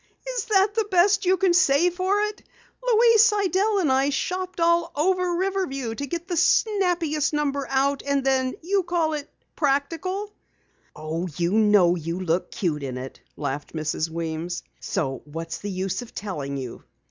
"Is that the best you can say for it? Louise Sidell and I shopped all over Riverview to get the snappiest number out, and then you call it practical." "Oh, you know you look cute in it," laughed Mrs. Weems. "So what's the use of telling you?"